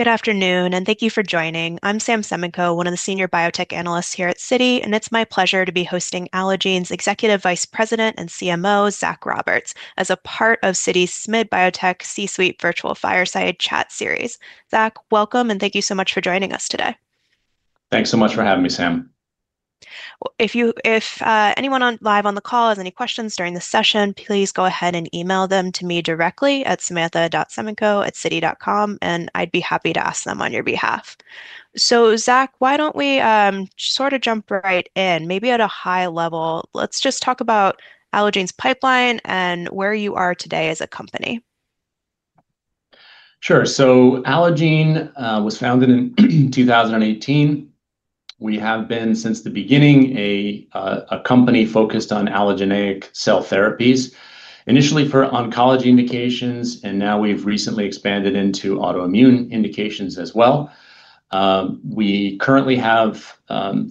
Good afternoon, and thank you for joining. I'm Sam Semenkow, one of the senior biotech analysts here at Citi, and it's my pleasure to be hosting Allogene's Executive Vice President and CMO, Zach Roberts, as a part of Citi's SMID Biotech C-Suite Virtual Fireside Chat series. Zach, welcome, and thank you so much for joining us today. Thanks so much for having me, Sam. If anyone live on the call has any questions during the session, please go ahead and email them to me directly at samantha.semenkow@citi.com, and I'd be happy to ask them on your behalf. So, Zach, why don't we sort of jump right in? Maybe at a high level, let's just talk about Allogene's pipeline and where you are today as a company. Sure. So, Allogene was founded in 2018. We have been, since the beginning, a company focused on allogeneic cell therapies, initially for oncology indications, and now we've recently expanded into autoimmune indications as well. We currently have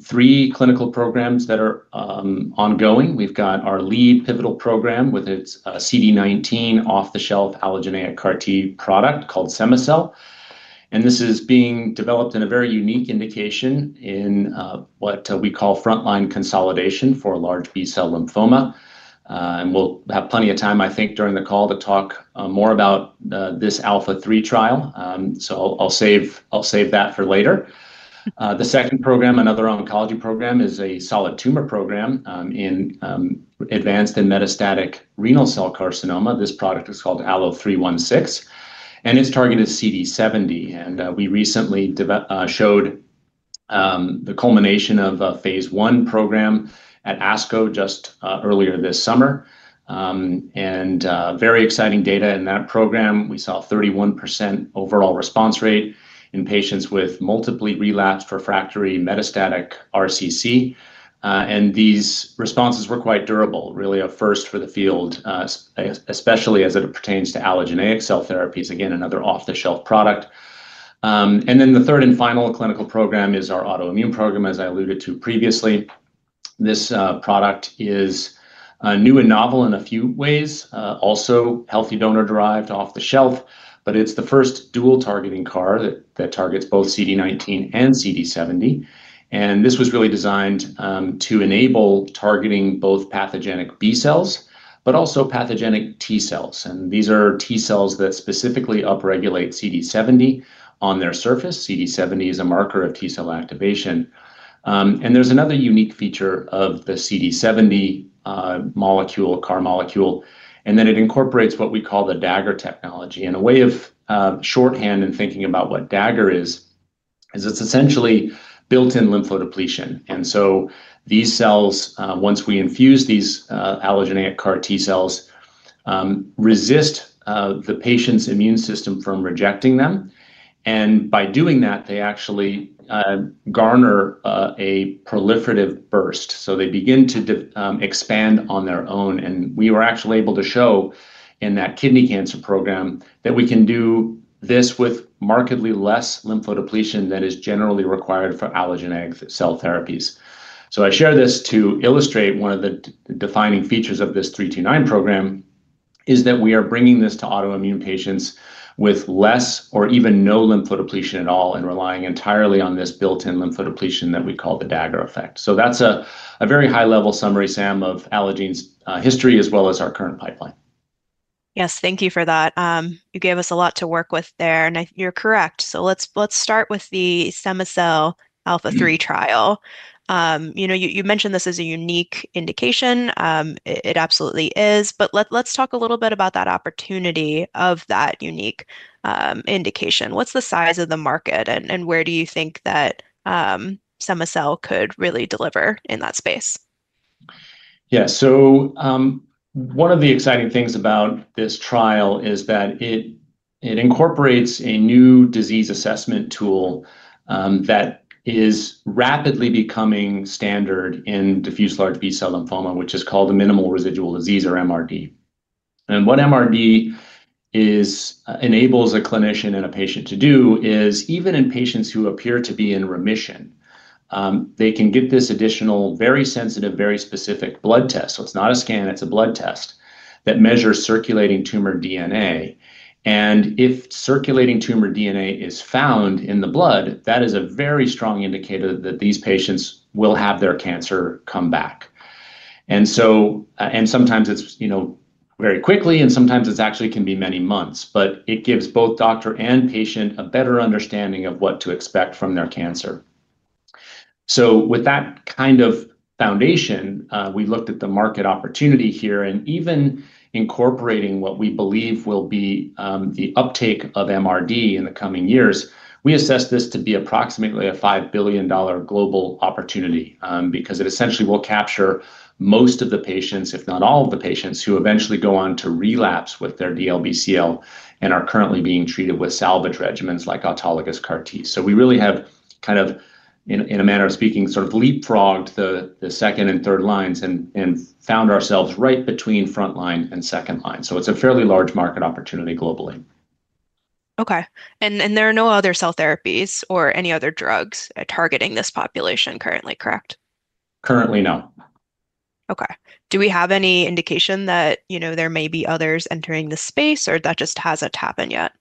three clinical programs that are ongoing. We've got our lead pivotal program with its CD19 off-the-shelf allogeneic CAR T product called cema-cel, and this is being developed in a very unique indication in what we call frontline consolidation for large B-cell lymphoma, and we'll have plenty of time, I think, during the call to talk more about this ALPHA3 trial, so I'll save that for later. The second program, another oncology program, is a solid tumor program in advanced and metastatic renal cell carcinoma. This product is called ALLO-316, and it's targeted CD70. And we recently showed the culmination of a phase I program at ASCO just earlier this summer, and very exciting data in that program. We saw a 31% overall response rate in patients with multiply relapsed refractory metastatic RCC, and these responses were quite durable, really a first for the field, especially as it pertains to allogeneic cell therapies, again, another off-the-shelf product. And then the third and final clinical program is our autoimmune program, as I alluded to previously. This product is new and novel in a few ways, also healthy donor-derived off-the-shelf, but it's the first dual-targeting CAR that targets both CD19 and CD70. And this was really designed to enable targeting both pathogenic B cells, but also pathogenic T cells. And these are T cells that specifically upregulate CD70 on their surface. CD70 is a marker of T cell activation. And there's another unique feature of the CD70 molecule, CAR molecule, in that it incorporates what we call the Dagger technology. And a way of shorthand in thinking about what Dagger is, is it's essentially built-in lymphodepletion. And so these cells, once we infuse these allogeneic CAR T cells, resist the patient's immune system from rejecting them. And by doing that, they actually garner a proliferative burst, so they begin to expand on their own. And we were actually able to show in that kidney cancer program that we can do this with markedly less lymphodepletion than is generally required for allogeneic cell therapies. So I share this to illustrate one of the defining features of this 329 program, is that we are bringing this to autoimmune patients with less or even no lymphodepletion at all and relying entirely on this built-in lymphodepletion that we call the Dagger effect. So that's a very high-level summary, Sam, of Allogene's history as well as our current pipeline. Yes, thank you for that. You gave us a lot to work with there, and you're correct. So let's start with the cema-cel ALPHA3 trial. You mentioned this as a unique indication. It absolutely is, but let's talk a little bit about that opportunity of that unique indication. What's the size of the market, and where do you think that cema-cel could really deliver in that space? Yeah, so one of the exciting things about this trial is that it incorporates a new disease assessment tool that is rapidly becoming standard in diffuse large B-cell lymphoma, which is called the minimal residual disease or MRD. And what MRD enables a clinician and a patient to do is, even in patients who appear to be in remission, they can get this additional very sensitive, very specific blood test. So it's not a scan, it's a blood test that measures circulating tumor DNA. And if circulating tumor DNA is found in the blood, that is a very strong indicator that these patients will have their cancer come back. And sometimes it's very quickly, and sometimes it actually can be many months, but it gives both doctor and patient a better understanding of what to expect from their cancer. So with that kind of foundation, we looked at the market opportunity here, and even incorporating what we believe will be the uptake of MRD in the coming years, we assess this to be approximately a $5 billion global opportunity because it essentially will capture most of the patients, if not all of the patients, who eventually go on to relapse with their DLBCL and are currently being treated with salvage regimens like autologous CAR T. So we really have, kind of in a manner of speaking, sort of leapfrogged the second and third lines and found ourselves right between frontline and second line. So it's a fairly large market opportunity globally. Okay. And there are no other cell therapies or any other drugs targeting this population currently, correct? Currently, no. Okay. Do we have any indication that there may be others entering the space, or that just hasn't happened yet?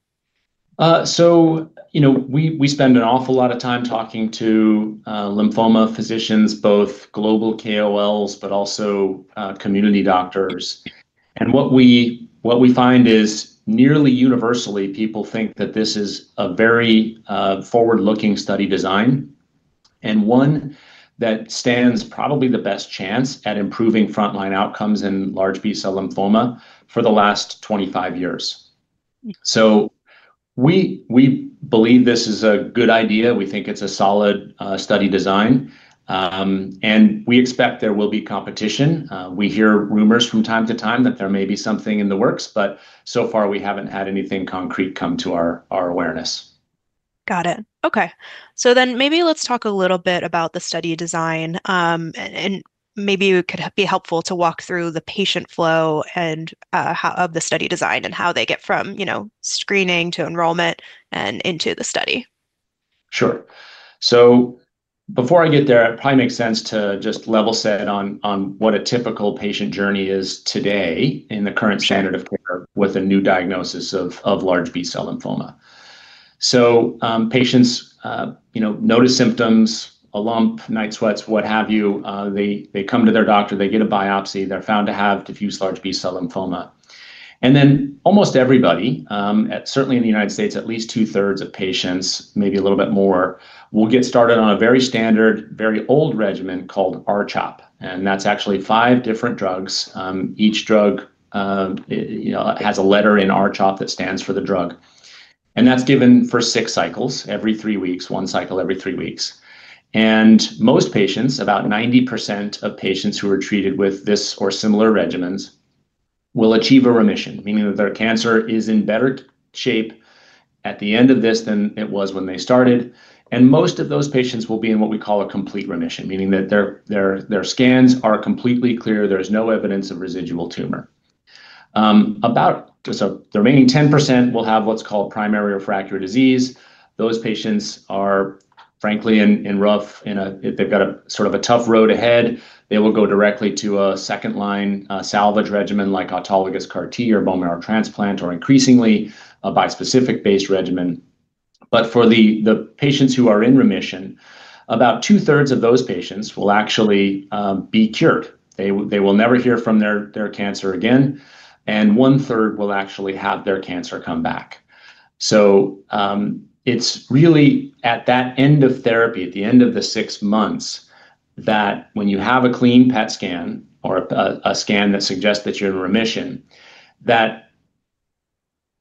So we spend an awful lot of time talking to lymphoma physicians, both global KOLs, but also community doctors. And what we find is, nearly universally, people think that this is a very forward-looking study design and one that stands probably the best chance at improving frontline outcomes in large B-cell lymphoma for the last 25 years. So we believe this is a good idea. We think it's a solid study design, and we expect there will be competition. We hear rumors from time to time that there may be something in the works, but so far we haven't had anything concrete come to our awareness. Got it. Okay. So then maybe let's talk a little bit about the study design, and maybe it could be helpful to walk through the patient flow of the study design and how they get from screening to enrollment and into the study. Sure. So before I get there, it probably makes sense to just level set on what a typical patient journey is today in the current standard of care with a new diagnosis of large B-cell lymphoma. So patients notice symptoms, a lump, night sweats, what have you. They come to their doctor, they get a biopsy, they're found to have diffuse large B-cell lymphoma. And then almost everybody, certainly in the United States, at least two-thirds of patients, maybe a little bit more, will get started on a very standard, very old regimen called R-CHOP, and that's actually five different drugs. Each drug has a letter in R-CHOP that stands for the drug, and that's given for six cycles every three weeks, one cycle every three weeks. And most patients, about 90% of patients who are treated with this or similar regimens, will achieve a remission, meaning that their cancer is in better shape at the end of this than it was when they started. And most of those patients will be in what we call a complete remission, meaning that their scans are completely clear, there's no evidence of residual tumor. About the remaining 10% will have what's called primary refractory disease. Those patients are, frankly, in rough, if they've got a sort of a tough road ahead, they will go directly to a second-line salvage regimen like autologous CAR T or bone marrow transplant, or increasingly a bispecific-based regimen. But for the patients who are in remission, about 2/3 of those patients will actually be cured. They will never hear from their cancer again, and 1/3 will actually have their cancer come back. So it's really at that end of therapy, at the end of the six months, that when you have a clean PET scan or a scan that suggests that you're in remission, that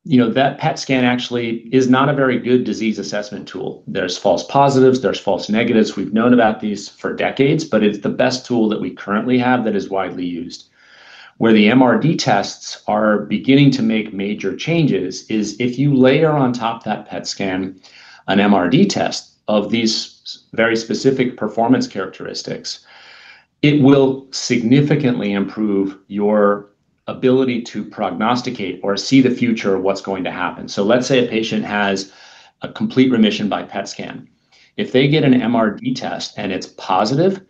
PET scan actually is not a very good disease assessment tool. There's false positives, there's false negatives. We've known about these for decades, but it's the best tool that we currently have that is widely used. Where the MRD tests are beginning to make major changes is if you layer on top of that PET scan an MRD test of these very specific performance characteristics, it will significantly improve your ability to prognosticate or see the future of what's going to happen. So let's say a patient has a complete remission by PET scan. If they get an MRD test and it's positive,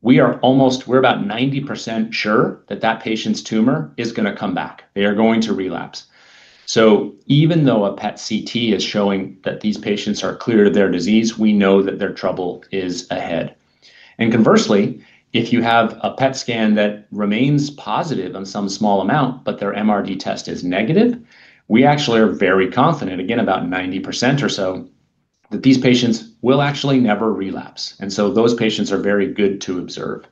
we're about 90% sure that that patient's tumor is going to come back. They are going to relapse. So even though a PET CT is showing that these patients are clear of their disease, we know that their trouble is ahead. And conversely, if you have a PET scan that remains positive on some small amount, but their MRD test is negative, we actually are very confident, again, about 90% or so, that these patients will actually never relapse. And so those patients are very good to observe.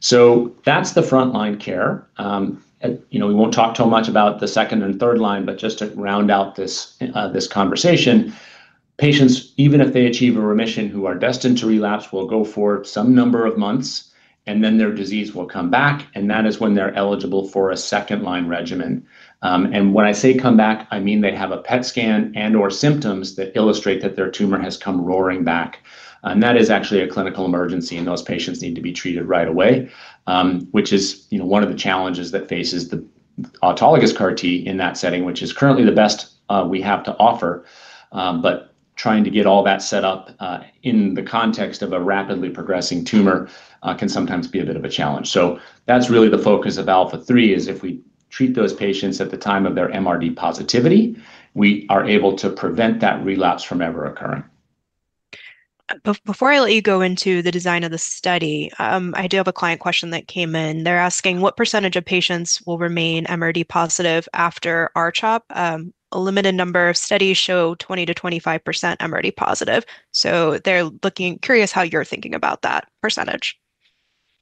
So that's the frontline care. We won't talk too much about the second and third line, but just to round out this conversation, patients, even if they achieve a remission, who are destined to relapse, will go for some number of months, and then their disease will come back, and that is when they're eligible for a second-line regimen. And when I say come back, I mean they have a PET scan and/or symptoms that illustrate that their tumor has come roaring back. And that is actually a clinical emergency, and those patients need to be treated right away, which is one of the challenges that faces the autologous CAR T in that setting, which is currently the best we have to offer. But trying to get all that set up in the context of a rapidly progressing tumor can sometimes be a bit of a challenge. So that's really the focus of ALPHA3, is if we treat those patients at the time of their MRD positivity, we are able to prevent that relapse from ever occurring. Before I let you go into the design of the study, I do have a client question that came in. They're asking, "What percentage of patients will remain MRD positive after R-CHOP?" A limited number of studies show 20%-25% MRD positive. So they're curious how you're thinking about that percentage.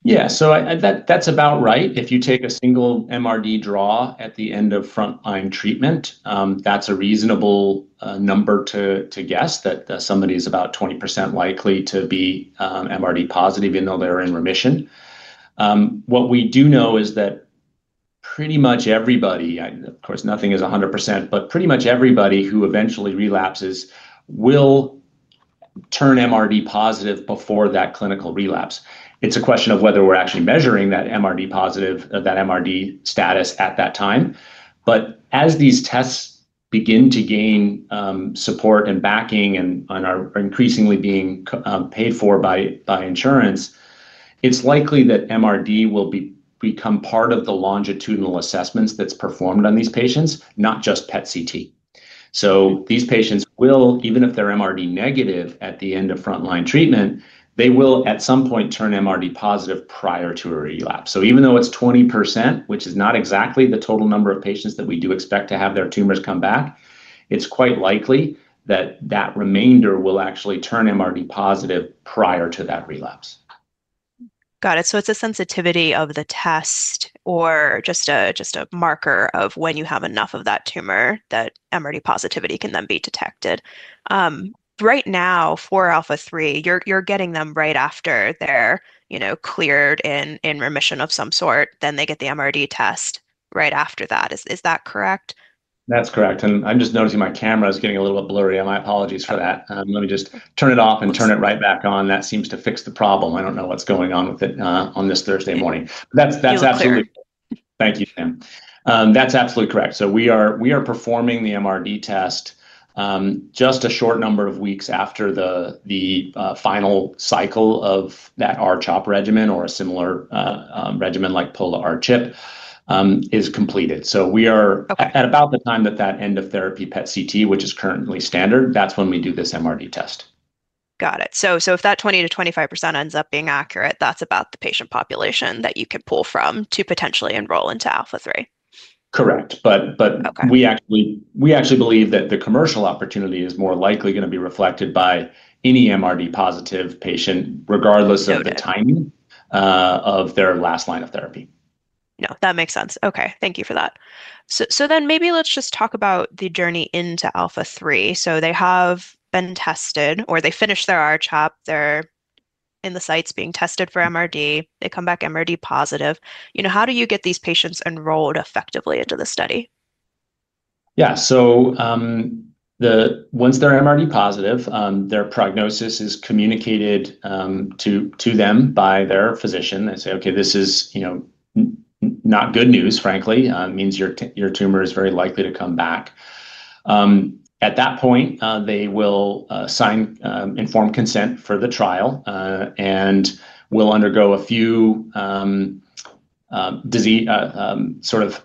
Yeah, so that's about right. If you take a single MRD draw at the end of frontline treatment, that's a reasonable number to guess that somebody is about 20% likely to be MRD positive even though they're in remission. What we do know is that pretty much everybody, of course, nothing is 100%, but pretty much everybody who eventually relapses will turn MRD positive before that clinical relapse. It's a question of whether we're actually measuring that MRD status at that time. But as these tests begin to gain support and backing and are increasingly being paid for by insurance, it's likely that MRD will become part of the longitudinal assessments that's performed on these patients, not just PET CT. So these patients will, even if they're MRD negative at the end of frontline treatment, they will at some point turn MRD positive prior to a relapse. So even though it's 20%, which is not exactly the total number of patients that we do expect to have their tumors come back, it's quite likely that that remainder will actually turn MRD positive prior to that relapse. Got it. So it's a sensitivity of the test or just a marker of when you have enough of that tumor that MRD positivity can then be detected? Right now, for ALPHA3, you're getting them right after they're cleared in remission of some sort, then they get the MRD test right after that. Is that correct? That's correct. And I'm just noticing my camera is getting a little bit blurry. My apologies for that. Let me just turn it off and turn it right back on. That seems to fix the problem. I don't know what's going on with it on this Thursday morning. That's absolutely. Thank you, Sam. That's absolutely correct. So we are performing the MRD test just a short number of weeks after the final cycle of that R-CHOP regimen or a similar regimen like Pola-R-CHP is completed. So we are at about the time that that end-of-therapy PET CT, which is currently standard, that's when we do this MRD test. Got it. So if that 20%-25% ends up being accurate, that's about the patient population that you can pull from to potentially enroll into ALPHA3. Correct. But we actually believe that the commercial opportunity is more likely going to be reflected by any MRD positive patient, regardless of the timing of their last line of therapy. Yeah, that makes sense. Okay, thank you for that. So then maybe let's just talk about the journey into ALPHA3. So they have been tested, or they finished their R-CHOP, they're in the sites being tested for MRD, they come back MRD positive. How do you get these patients enrolled effectively into the study? Yeah, so once they're MRD positive, their prognosis is communicated to them by their physician. They say, "Okay, this is not good news, frankly. It means your tumor is very likely to come back." At that point, they will sign informed consent for the trial and will undergo a few sort of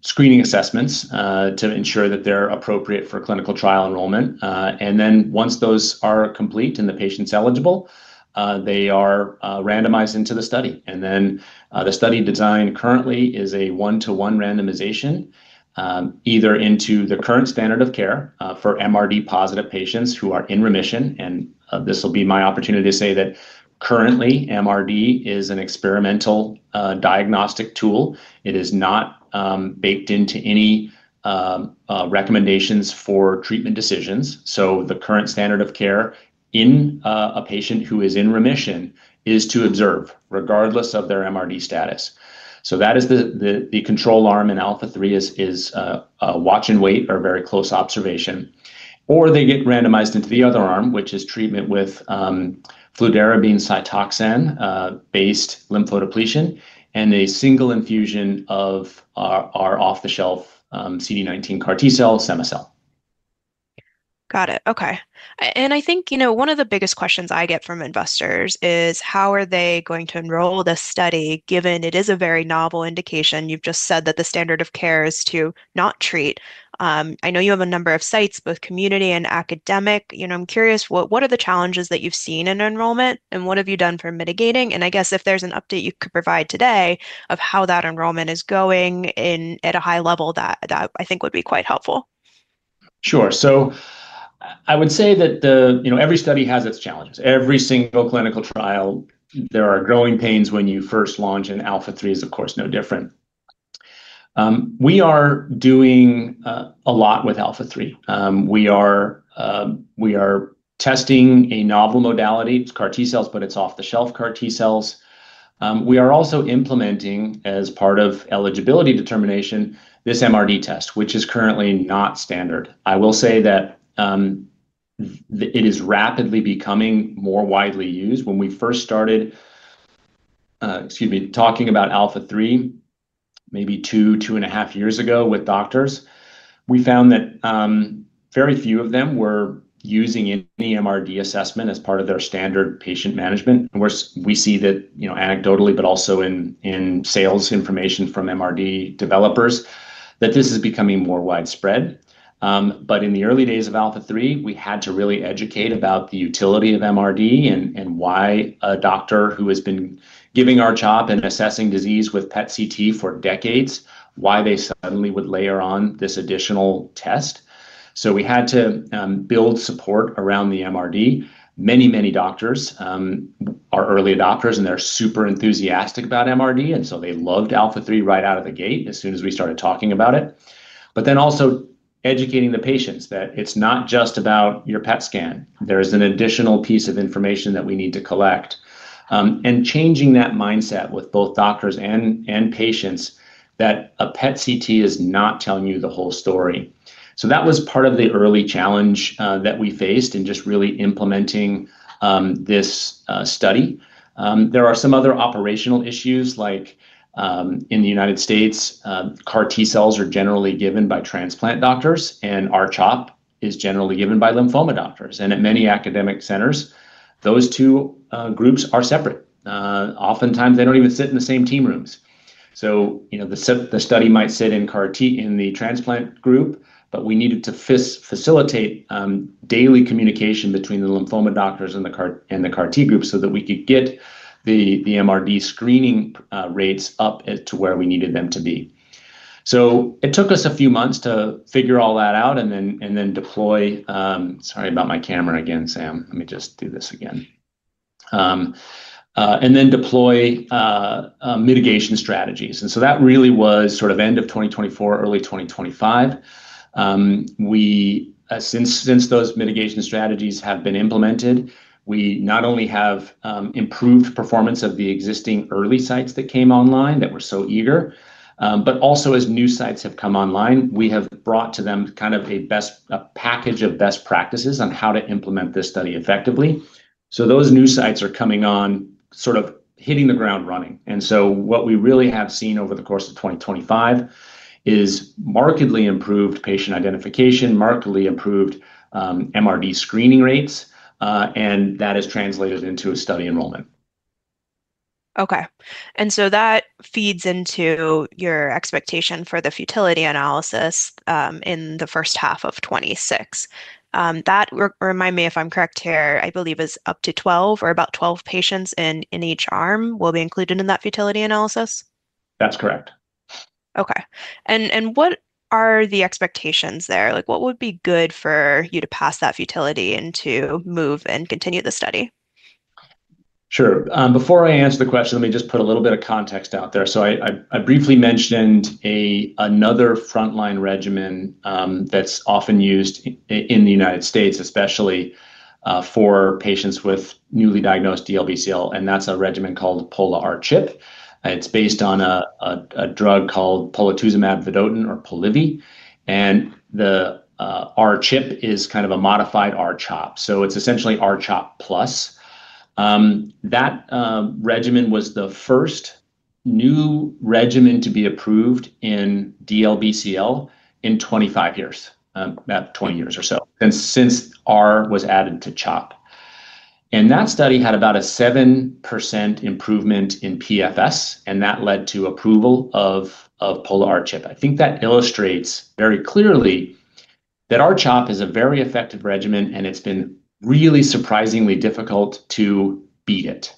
screening assessments to ensure that they're appropriate for clinical trial enrollment. And then once those are complete and the patient's eligible, they are randomized into the study. And then the study design currently is a one-to-one randomization, either into the current standard of care for MRD positive patients who are in remission. And this will be my opportunity to say that currently, MRD is an experimental diagnostic tool. It is not baked into any recommendations for treatment decisions. The current standard of care in a patient who is in remission is to observe, regardless of their MRD status. That is the control arm in ALPHA3 watch and wait or very close observation. Or they get randomized into the other arm, which is treatment with fludarabine Cytoxan-based lymphodepletion and a single infusion of our off-the-shelf CD19 CAR T cell, cema-cel. Got it. Okay. And I think one of the biggest questions I get from investors is, how are they going to enroll this study given it is a very novel indication? You've just said that the standard of care is to not treat. I know you have a number of sites, both community and academic. I'm curious, what are the challenges that you've seen in enrollment, and what have you done for mitigating? And I guess if there's an update you could provide today of how that enrollment is going at a high level, that I think would be quite helpful. Sure. So I would say that every study has its challenges. Every single clinical trial, there are growing pains when you first launch. An ALPHA3 is, of course, no different. We are doing a lot with ALPHA3. We are testing a novel modality. It's CAR T cells, but it's off-the-shelf CAR T cells. We are also implementing, as part of eligibility determination, this MRD test, which is currently not standard. I will say that it is rapidly becoming more widely used. When we first started, excuse me, talking about ALPHA3, maybe two, two and a half years ago with doctors, we found that very few of them were using any MRD assessment as part of their standard patient management. We see that anecdotally, but also in sales information from MRD developers, that this is becoming more widespread. But in the early days of ALPHA3, we had to really educate about the utility of MRD and why a doctor who has been giving R-CHOP and assessing disease with PET CT for decades would suddenly layer on this additional test. So we had to build support around the MRD. Many, many doctors are early adopters, and they're super enthusiastic about MRD, and so they loved ALPHA3 right out of the gate as soon as we started talking about it. But then also educating the patients that it's not just about your PET scan. There is an additional piece of information that we need to collect. And changing that mindset with both doctors and patients that a PET CT is not telling you the whole story. So that was part of the early challenge that we faced in just really implementing this study. There are some other operational issues, like in the United States, CAR T cells are generally given by transplant doctors, and R-CHOP is generally given by lymphoma doctors, and at many academic centers, those two groups are separate. Oftentimes, they don't even sit in the same team rooms, so the study might sit in the transplant group, but we needed to facilitate daily communication between the lymphoma doctors and the CAR T group so that we could get the MRD screening rates up to where we needed them to be, so it took us a few months to figure all that out and then deploy. Sorry about my camera again, Sam. Let me just do this again, and then deploy mitigation strategies, and so that really was sort of end of 2024, early 2025. Since those mitigation strategies have been implemented, we not only have improved performance of the existing early sites that came online that were so eager, but also as new sites have come online, we have brought to them kind of a package of best practices on how to implement this study effectively, so those new sites are coming on sort of hitting the ground running, and so what we really have seen over the course of 2025 is markedly improved patient identification, markedly improved MRD screening rates, and that has translated into a study enrollment. Okay, and so that feeds into your expectation for the futility analysis in the first half of 2026. That reminds me, if I'm correct here, I believe it is up to 12 or about 12 patients in each arm that will be included in that futility analysis. That's correct. Okay. And what are the expectations there? What would be good for you to pass that futility and to move and continue the study? Sure. Before I answer the question, let me just put a little bit of context out there. So I briefly mentioned another frontline regimen that's often used in the United States, especially for patients with newly diagnosed DLBCL, and that's a regimen called Pola-R-CHP. It's based on a drug called polatuzumab vedotin or Polivy. And the R-CHP is kind of a modified R-CHOP. So it's essentially R-CHOP plus. That regimen was the first new regimen to be approved in DLBCL in 25 years, about 20 years or so, since R was added to CHOP. And that study had about a 7% improvement in PFS, and that led to approval of Pola-R-CHP. I think that illustrates very clearly that R-CHOP is a very effective regimen, and it's been really surprisingly difficult to beat it.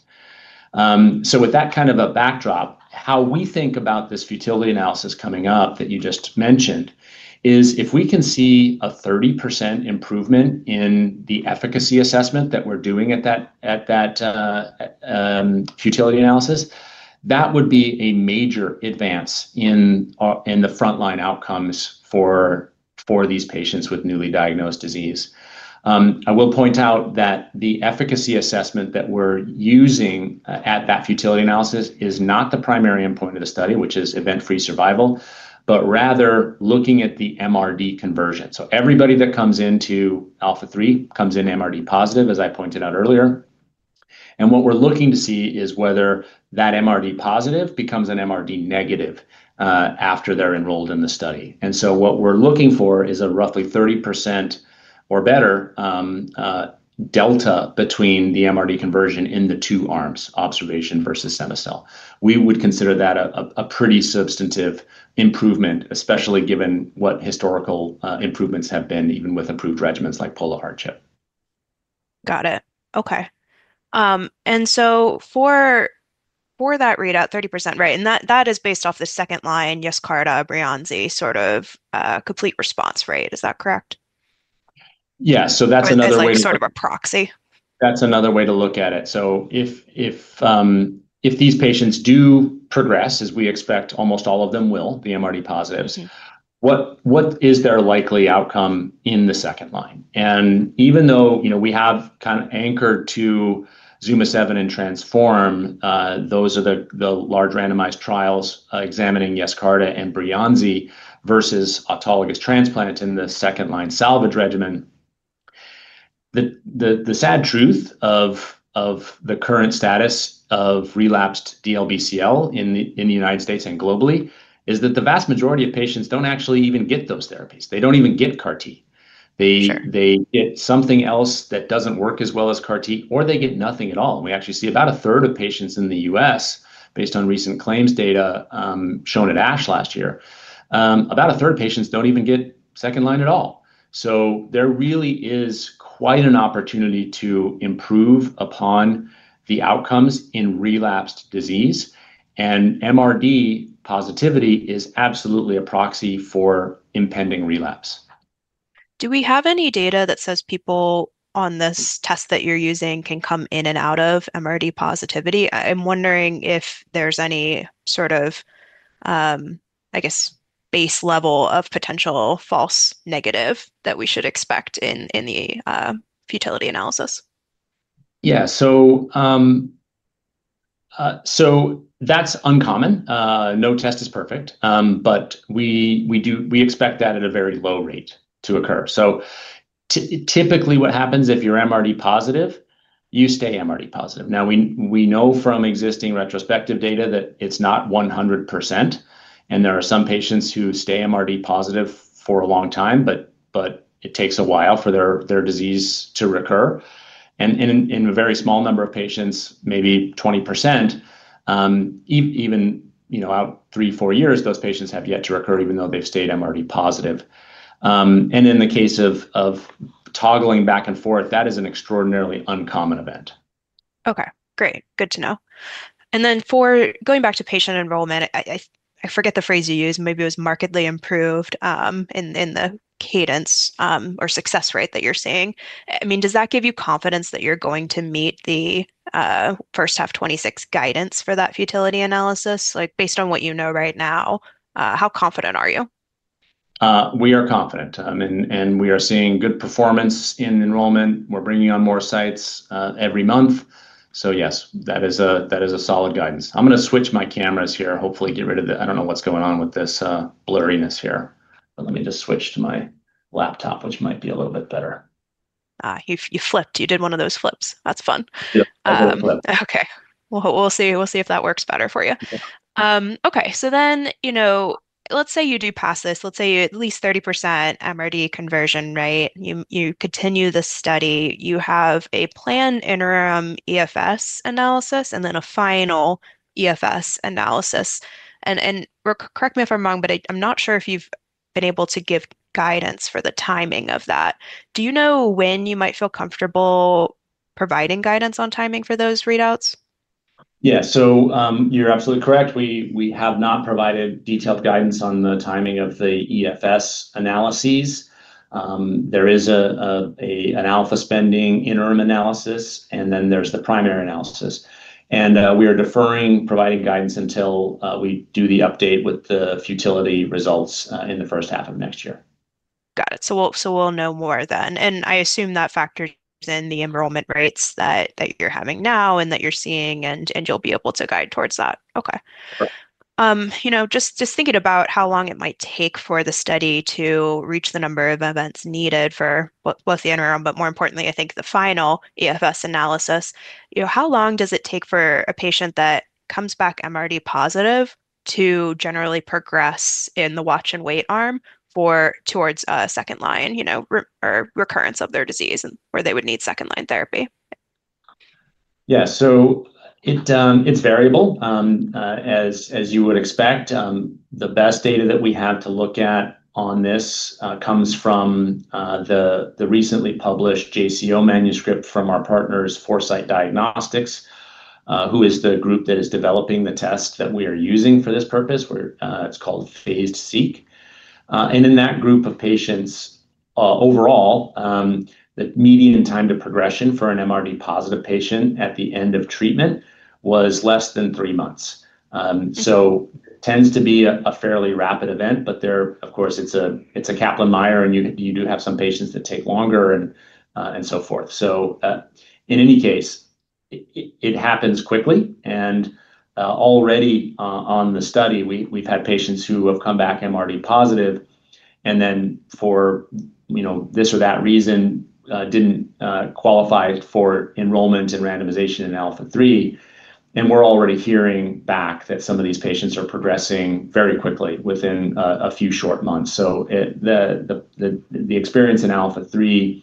With that kind of a backdrop, how we think about this futility analysis coming up that you just mentioned is if we can see a 30% improvement in the efficacy assessment that we're doing at that futility analysis, that would be a major advance in the frontline outcomes for these patients with newly diagnosed disease. I will point out that the efficacy assessment that we're using at that futility analysis is not the primary endpoint of the study, which is event-free survival, but rather looking at the MRD conversion. Everybody that comes into ALPHA3 comes in MRD positive, as I pointed out earlier. What we're looking to see is whether that MRD positive becomes an MRD negative after they're enrolled in the study. And so what we're looking for is a roughly 30% or better delta between the MRD conversion in the two arms, observation versus cema-cel. We would consider that a pretty substantive improvement, especially given what historical improvements have been, even with approved regimens like Pola-R-CHP. Got it. Okay. And so for that readout, 30%, right? And that is based off the second line, Yescarta Breyanzi, sort of complete response, right? Is that correct? Yeah. So that's another way to look at it. So it's sort of a proxy. That's another way to look at it. So if these patients do progress, as we expect almost all of them will, the MRD positives, what is their likely outcome in the second line? And even though we have kind of anchored to ZUMA-7 and TRANSFORM, those are the large randomized trials examining Yescarta and Breyanzi versus autologous transplant in the second line salvage regimen. The sad truth of the current status of relapsed DLBCL in the United States and globally is that the vast majority of patients don't actually even get those therapies. They don't even get CAR T. They get something else that doesn't work as well as CAR T, or they get nothing at all. We actually see about a third of patients in the U.S., based on recent claims data shown at ASH last year, about a third of patients don't even get second line at all. There really is quite an opportunity to improve upon the outcomes in relapsed disease. MRD positivity is absolutely a proxy for impending relapse. Do we have any data that says people on this test that you're using can come in and out of MRD positivity? I'm wondering if there's any sort of, I guess, base level of potential false negative that we should expect in the futility analysis. Yeah. So that's uncommon. No test is perfect, but we expect that at a very low rate to occur. So typically what happens if you're MRD positive, you stay MRD positive. Now, we know from existing retrospective data that it's not 100%, and there are some patients who stay MRD positive for a long time, but it takes a while for their disease to recur. And in a very small number of patients, maybe 20%, even out three, four years, those patients have yet to recur even though they've stayed MRD positive. And in the case of toggling back and forth, that is an extraordinarily uncommon event. Okay. Great. Good to know. And then for going back to patient enrollment, I forget the phrase you used, maybe it was markedly improved in the cadence or success rate that you're seeing. I mean, does that give you confidence that you're going to meet the first half 2026 guidance for that futility analysis? Based on what you know right now, how confident are you? We are confident, and we are seeing good performance in enrollment. We're bringing on more sites every month. So yes, that is a solid guidance. I'm going to switch my cameras here, hopefully get rid of the, I don't know what's going on with this blurriness here. But let me just switch to my laptop, which might be a little bit better. You flipped. You did one of those flips. That's fun. Yeah. I flipped. Okay. We'll see if that works better for you. Okay. So then let's say you do pass this. Let's say at least 30% MRD conversion, right? You continue the study. You have a planned interim EFS analysis and then a final EFS analysis. And correct me if I'm wrong, but I'm not sure if you've been able to give guidance for the timing of that. Do you know when you might feel comfortable providing guidance on timing for those readouts? Yeah. So you're absolutely correct. We have not provided detailed guidance on the timing of the EFS analyses. There is an alpha spending interim analysis, and then there's the primary analysis. And we are deferring providing guidance until we do the update with the futility results in the first half of next year. Got it. So we'll know more then. And I assume that factors in the enrollment rates that you're having now and that you're seeing, and you'll be able to guide towards that. Okay. Just thinking about how long it might take for the study to reach the number of events needed for both the interim, but more importantly, I think the final EFS analysis, how long does it take for a patient that comes back MRD positive to generally progress in the watch and wait arm towards a second line or recurrence of their disease where they would need second line therapy? Yeah. So it's variable, as you would expect. The best data that we have to look at on this comes from the recently published JCO manuscript from our partners, Foresight Diagnostics, who is the group that is developing the test that we are using for this purpose. It's called PhasED-Seq. And in that group of patients, overall, the median time to progression for an MRD positive patient at the end of treatment was less than three months. So it tends to be a fairly rapid event, but there, of course, it's a Kaplan-Meier, and you do have some patients that take longer and so forth. So in any case, it happens quickly. And already on the study, we've had patients who have come back MRD positive and then for this or that reason didn't qualify for enrollment and randomization in ALPHA3. We're already hearing back that some of these patients are progressing very quickly within a few short months. The experience in ALPHA3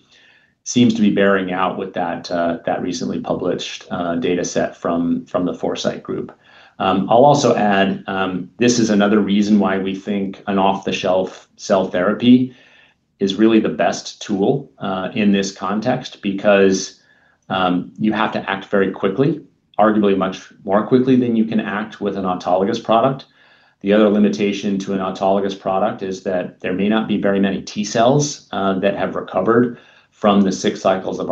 seems to be bearing out with that recently published dataset from the Foresight group. I'll also add, this is another reason why we think an off-the-shelf cell therapy is really the best tool in this context because you have to act very quickly, arguably much more quickly than you can act with an autologous product. The other limitation to an autologous product is that there may not be very many T cells that have recovered from the six cycles of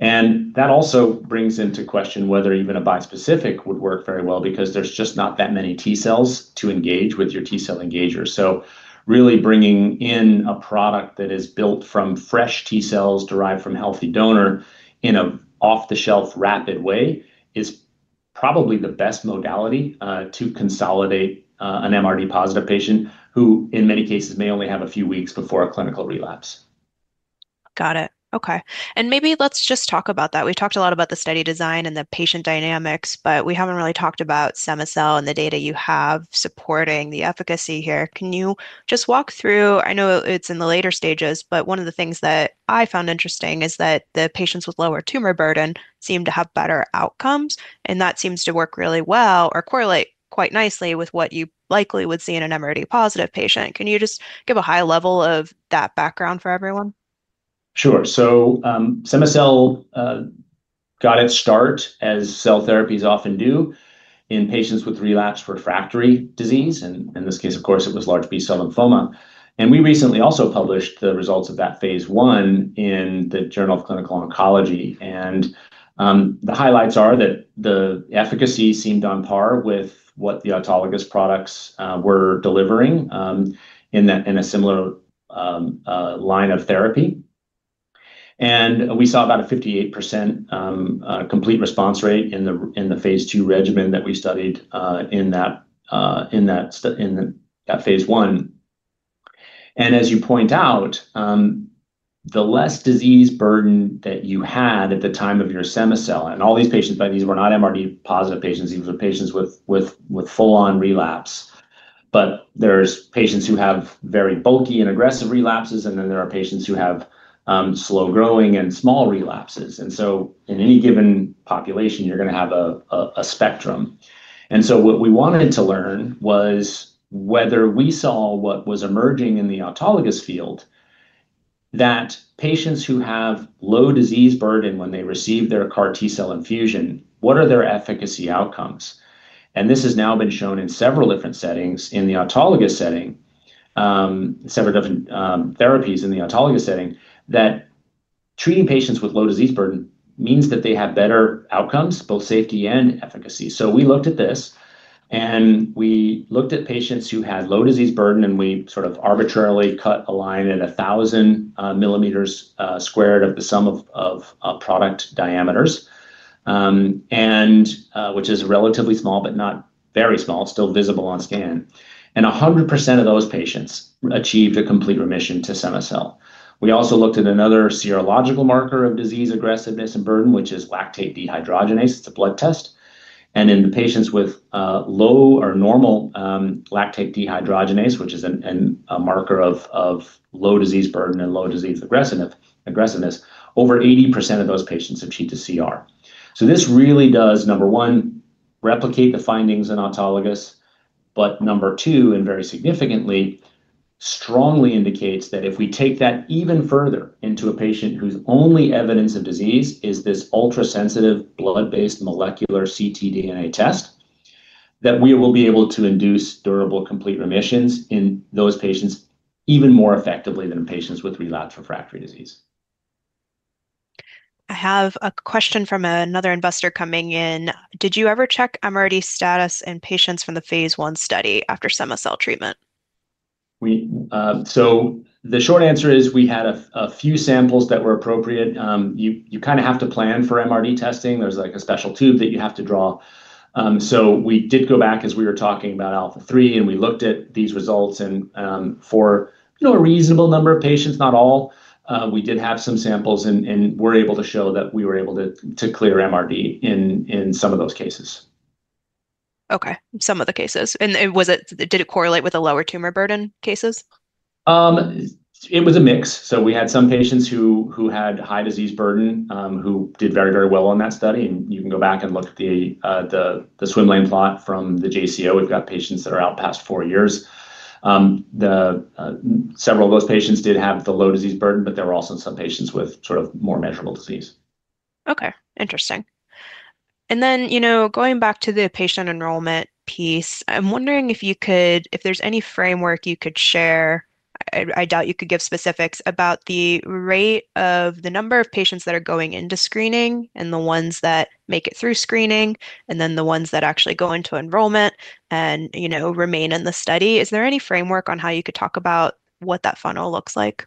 R-CHOP. That also brings into question whether even a bispecific would work very well because there's just not that many T cells to engage with your T cell engagers. So really bringing in a product that is built from fresh T cells derived from healthy donor in an off-the-shelf rapid way is probably the best modality to consolidate an MRD positive patient who in many cases may only have a few weeks before a clinical relapse. Got it. Okay. And maybe let's just talk about that. We've talked a lot about the study design and the patient dynamics, but we haven't really talked about cema-cel and the data you have supporting the efficacy here. Can you just walk through? I know it's in the later stages, but one of the things that I found interesting is that the patients with lower tumor burden seem to have better outcomes, and that seems to work really well or correlate quite nicely with what you likely would see in an MRD positive patient. Can you just give a high level of that background for everyone? Sure. So cema-cel got its start, as cell therapies often do, in patients with relapsed refractory disease. And in this case, of course, it was large B-cell lymphoma. And we recently also published the results of that phase I in the Journal of Clinical Oncology. And the highlights are that the efficacy seemed on par with what the autologous products were delivering in a similar line of therapy. And we saw about a 58% complete response rate in the phase II regimen that we studied in that phase I. And as you point out, the less disease burden that you had at the time of your cema-cel, and all these patients, but these were not MRD positive patients. These were patients with full-on relapse. But there are patients who have very bulky and aggressive relapses, and then there are patients who have slow-growing and small relapses. And so in any given population, you're going to have a spectrum. And so what we wanted to learn was whether we saw what was emerging in the autologous field that patients who have low disease burden when they receive their CAR T cell infusion, what are their efficacy outcomes? And this has now been shown in several different settings in the autologous setting, several different therapies in the autologous setting, that treating patients with low disease burden means that they have better outcomes, both safety and efficacy. So we looked at this, and we looked at patients who had low disease burden, and we sort of arbitrarily cut a line at 1,000 millimeters squared of the sum of product diameters, which is relatively small, but not very small, still visible on scan. And 100% of those patients achieved a complete remission to cema-cel. We also looked at another serological marker of disease aggressiveness and burden, which is lactate dehydrogenase. It's a blood test. And in the patients with low or normal lactate dehydrogenase, which is a marker of low disease burden and low disease aggressiveness, over 80% of those patients achieved a CR. So this really does, number one, replicate the findings in autologous, but number two, and very significantly, strongly indicates that if we take that even further into a patient whose only evidence of disease is this ultra-sensitive blood-based molecular ctDNA test, that we will be able to induce durable complete remissions in those patients even more effectively than in patients with relapsed refractory disease. I have a question from another investor coming in. Did you ever check MRD status in patients from the phase I study after cema-cel treatment? The short answer is we had a few samples that were appropriate. You kind of have to plan for MRD testing. There's like a special tube that you have to draw. We did go back as we were talking about ALPHA3, and we looked at these results for a reasonable number of patients, not all. We did have some samples and were able to show that we were able to clear MRD in some of those cases. Okay. Some of the cases. And did it correlate with the lower tumor burden cases? It was a mix, so we had some patients who had high disease burden who did very, very well on that study, and you can go back and look at the swimlane plot from the JCO. We've got patients that are out past four years. Several of those patients did have the low disease burden, but there were also some patients with sort of more measurable disease. Okay. Interesting. And then going back to the patient enrollment piece, I'm wondering if there's any framework you could share. I doubt you could give specifics about the rate of the number of patients that are going into screening and the ones that make it through screening and then the ones that actually go into enrollment and remain in the study. Is there any framework on how you could talk about what that funnel looks like?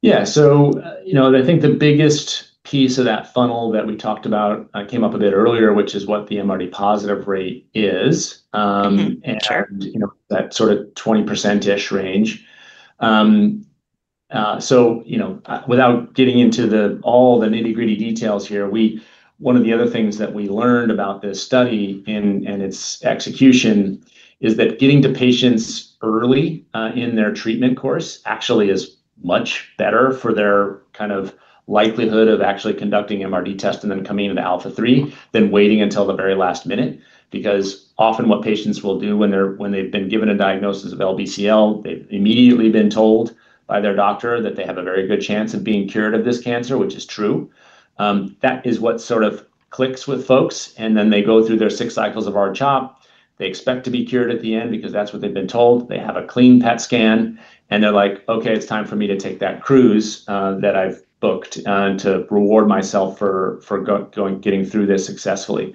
Yeah. So I think the biggest piece of that funnel that we talked about came up a bit earlier, which is what the MRD positive rate is and that sort of 20%-ish range. So without getting into all the nitty-gritty details here, one of the other things that we learned about this study and its execution is that getting to patients early in their treatment course actually is much better for their kind of likelihood of actually conducting MRD test and then coming into ALPHA3 than waiting until the very last minute. Because often what patients will do when they've been given a diagnosis of LBCL, they've immediately been told by their doctor that they have a very good chance of being cured of this cancer, which is true. That is what sort of clicks with folks. And then they go through their six cycles of R-CHOP. They expect to be cured at the end because that's what they've been told. They have a clean PET scan, and they're like, "Okay, it's time for me to take that cruise that I've booked to reward myself for getting through this successfully."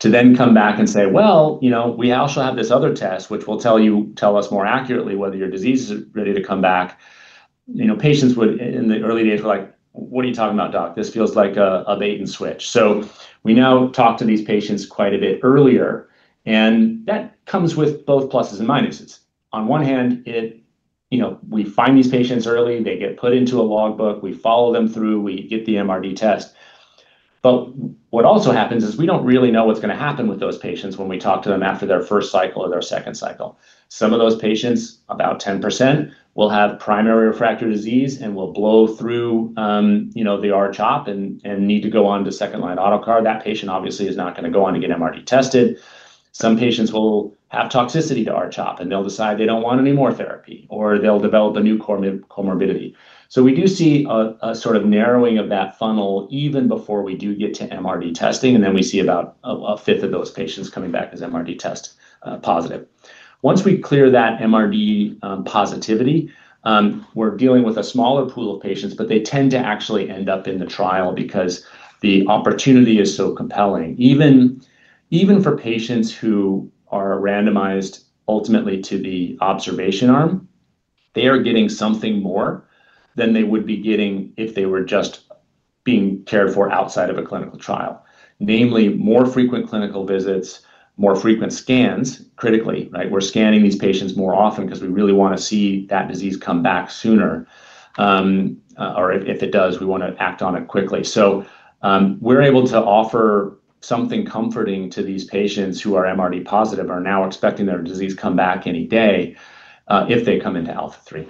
To then come back and say, "Well, we also have this other test, which will tell us more accurately whether your disease is ready to come back." Patients in the early days were like, "What are you talking about, doc? This feels like a bait and switch." So we now talk to these patients quite a bit earlier, and that comes with both pluses and minuses. On one hand, we find these patients early. They get put into a logbook. We follow them through. We get the MRD test. But what also happens is we don't really know what's going to happen with those patients when we talk to them after their first cycle or their second cycle. Some of those patients, about 10%, will have primary refractory disease and will blow through the R-CHOP and need to go on to second line auto CAR. That patient obviously is not going to go on to get MRD tested. Some patients will have toxicity to R-CHOP, and they'll decide they don't want any more therapy, or they'll develop a new comorbidity. So we do see a sort of narrowing of that funnel even before we do get to MRD testing, and then we see about a fifth of those patients coming back as MRD test positive. Once we clear that MRD positivity, we're dealing with a smaller pool of patients, but they tend to actually end up in the trial because the opportunity is so compelling. Even for patients who are randomized ultimately to the observation arm, they are getting something more than they would be getting if they were just being cared for outside of a clinical trial, namely more frequent clinical visits, more frequent scans, critically, right? We're scanning these patients more often because we really want to see that disease come back sooner, or if it does, we want to act on it quickly. So we're able to offer something comforting to these patients who are MRD positive and are now expecting their disease to come back any day if they come into ALPHA3.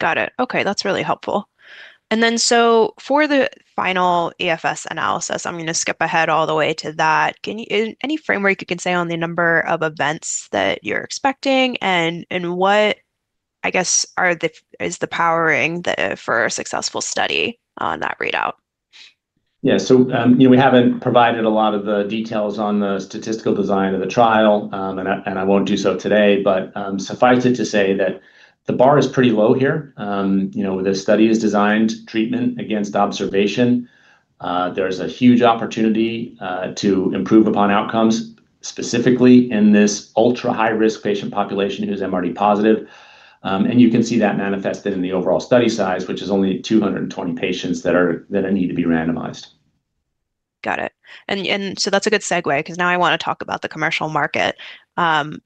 Got it. Okay. That's really helpful. And then so for the final EFS analysis, I'm going to skip ahead all the way to that. Any framework you can say on the number of events that you're expecting and what, I guess, is the powering for a successful study on that readout? Yeah. So we haven't provided a lot of the details on the statistical design of the trial, and I won't do so today, but suffice it to say that the bar is pretty low here. This study is designed treatment against observation. There's a huge opportunity to improve upon outcomes, specifically in this ultra-high-risk patient population who's MRD positive. And you can see that manifested in the overall study size, which is only 220 patients that need to be randomized. Got it. And so that's a good segue because now I want to talk about the commercial market.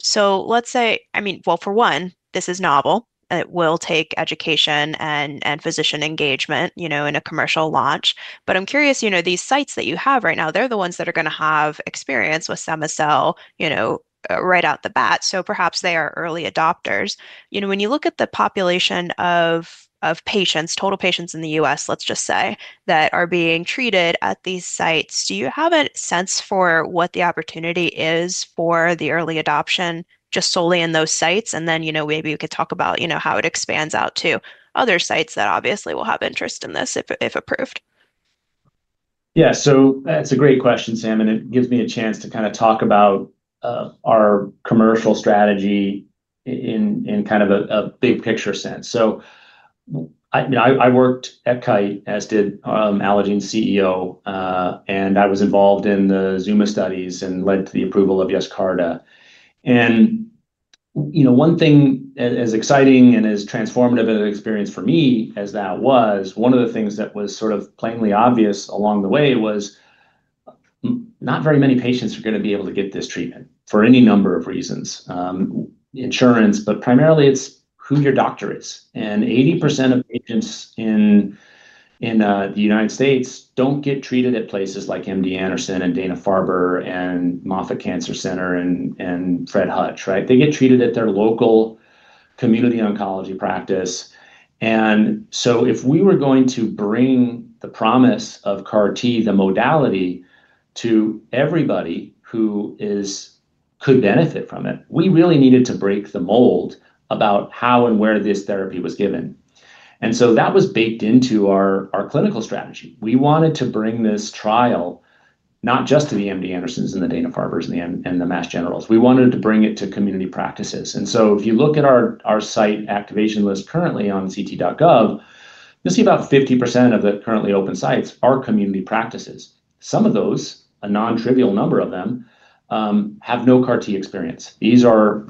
So let's say, I mean, well, for one, this is novel. It will take education and physician engagement in a commercial launch. But I'm curious. These sites that you have right now, they're the ones that are going to have experience with cema-cel right out of the gate. So perhaps they are early adopters. When you look at the population of patients, total patients in the U.S., let's just say, that are being treated at these sites, do you have a sense for what the opportunity is for the early adoption just solely in those sites? And then maybe we could talk about how it expands out to other sites that obviously will have interest in this if approved. Yeah. So that's a great question, Sam, and it gives me a chance to kind of talk about our commercial strategy in kind of a big picture sense. So I worked at Kite, as did Allogene's CEO, and I was involved in the ZUMA studies and led to the approval of Yescarta. And one thing as exciting and as transformative an experience for me as that was, one of the things that was sort of plainly obvious along the way was not very many patients are going to be able to get this treatment for any number of reasons: insurance, but primarily it's who your doctor is. And 80% of patients in the United States don't get treated at places like MD Anderson and Dana-Farber and Moffitt Cancer Center and Fred Hutch, right? They get treated at their local community oncology practice. So if we were going to bring the promise of CAR T, the modality to everybody who could benefit from it, we really needed to break the mold about how and where this therapy was given. That was baked into our clinical strategy. We wanted to bring this trial not just to the MD Andersons and the Dana-Farbers and the Mass Generals. We wanted to bring it to community practices. If you look at our site activation list currently on ct.gov, you'll see about 50% of the currently open sites are community practices. Some of those, a non-trivial number of them, have no CAR T experience. These are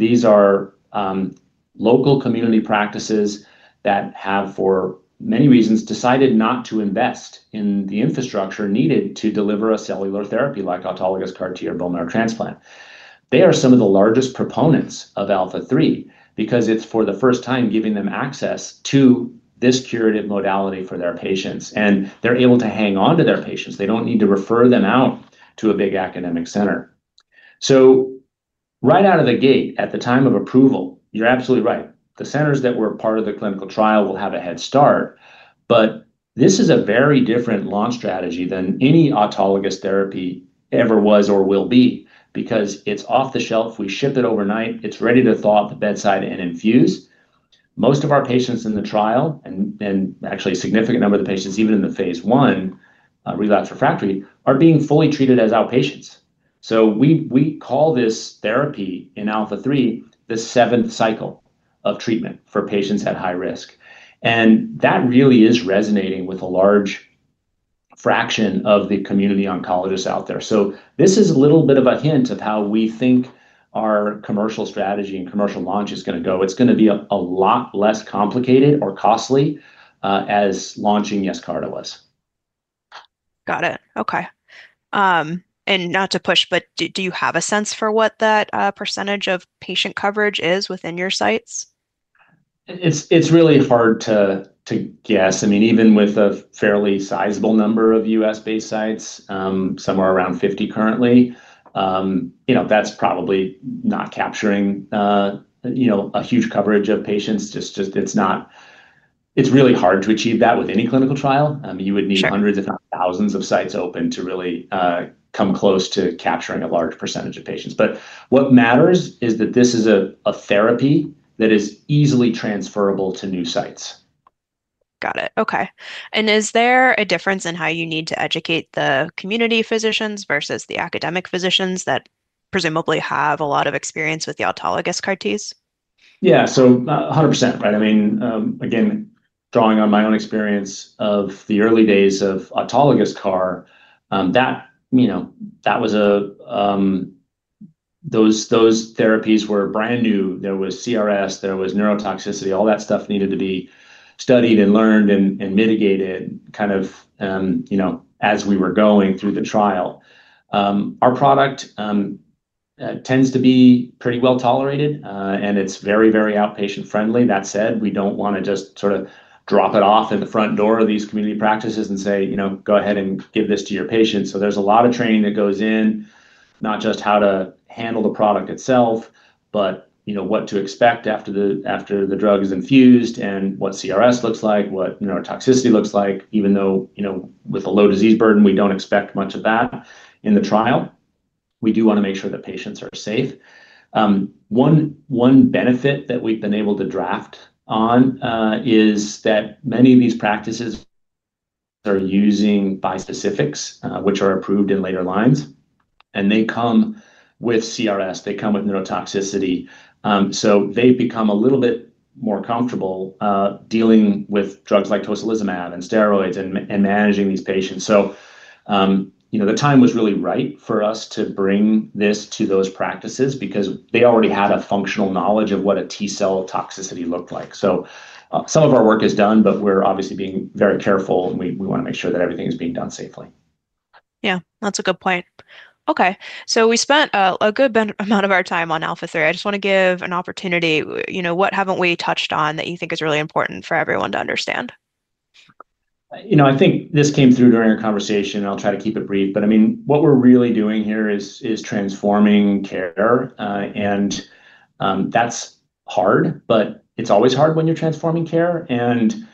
local community practices that have, for many reasons, decided not to invest in the infrastructure needed to deliver a cellular therapy like autologous CAR T or bone marrow transplant. They are some of the largest proponents of ALPHA3 because it's for the first time giving them access to this curative modality for their patients, and they're able to hang on to their patients. They don't need to refer them out to a big academic center. So right out of the gate, at the time of approval, you're absolutely right. The centers that were part of the clinical trial will have a head start, but this is a very different launch strategy than any autologous therapy ever was or will be because it's off the shelf. We ship it overnight. It's ready to thaw at the bedside and infuse. Most of our patients in the trial, and actually a significant number of the patients even in the phase I relapse refractory, are being fully treated as outpatients. So we call this therapy in ALPHA3 the seventh cycle of treatment for patients at high risk. And that really is resonating with a large fraction of the community oncologists out there. So this is a little bit of a hint of how we think our commercial strategy and commercial launch is going to go. It's going to be a lot less complicated or costly as launching Yescarta was. Got it. Okay. And not to push, but do you have a sense for what that percentage of patient coverage is within your sites? It's really hard to guess. I mean, even with a fairly sizable number of U.S.-based sites, somewhere around 50 currently, that's probably not capturing a huge coverage of patients. It's really hard to achieve that with any clinical trial. You would need hundreds, if not thousands, of sites open to really come close to capturing a large percentage of patients. But what matters is that this is a therapy that is easily transferable to new sites. Got it. Okay, and is there a difference in how you need to educate the community physicians versus the academic physicians that presumably have a lot of experience with the autologous CAR Ts? Yeah. So 100%, right? I mean, again, drawing on my own experience of the early days of autologous CAR, that was, those therapies were brand new. There was CRS. There was neurotoxicity. All that stuff needed to be studied and learned and mitigated kind of as we were going through the trial. Our product tends to be pretty well tolerated, and it's very, very outpatient-friendly. That said, we don't want to just sort of drop it off at the front door of these community practices and say, "Go ahead and give this to your patients." So there's a lot of training that goes in, not just how to handle the product itself, but what to expect after the drug is infused and what CRS looks like, what neurotoxicity looks like, even though with a low disease burden, we don't expect much of that in the trial. We do want to make sure that patients are safe. One benefit that we've been able to draw on is that many of these practices are using bispecifics, which are approved in later lines, and they come with CRS. They come with neurotoxicity. So they've become a little bit more comfortable dealing with drugs like tocilizumab and steroids and managing these patients. So the time was really right for us to bring this to those practices because they already had a functional knowledge of what a T cell toxicity looked like. So some of our work is done, but we're obviously being very careful, and we want to make sure that everything is being done safely. Yeah. That's a good point. Okay. So we spent a good amount of our time on ALPHA3. I just want to give an opportunity. What haven't we touched on that you think is really important for everyone to understand? I think this came through during our conversation, and I'll try to keep it brief, but I mean, what we're really doing here is transforming care, and that's hard, but it's always hard when you're transforming care, and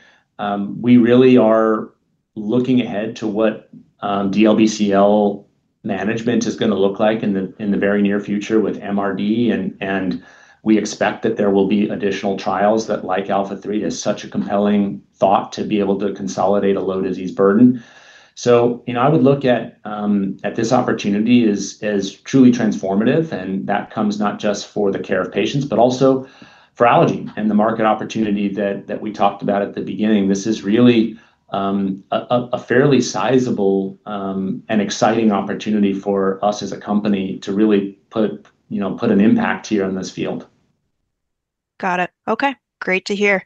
we really are looking ahead to what DLBCL management is going to look like in the very near future with MRD, and we expect that there will be additional trials that, like ALPHA3, is such a compelling thought to be able to consolidate a low disease burden, so I would look at this opportunity as truly transformative, and that comes not just for the care of patients, but also for Allogene and the market opportunity that we talked about at the beginning. This is really a fairly sizable and exciting opportunity for us as a company to really put an impact here in this field. Got it. Okay. Great to hear.